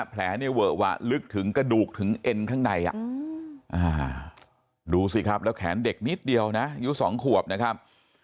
แผลเนี่ยเวอะหวะลึกถึงกระดูกถึงเอ็นข้างในดูสิครับแล้วแขนเด็กนิดเดียวนะอายุ๒ขวบนะครับ